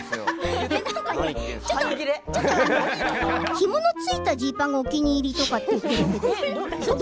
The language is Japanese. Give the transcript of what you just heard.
ひもの付いたジーパンがお気に入りとかって。